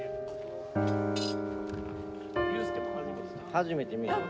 初めて見る。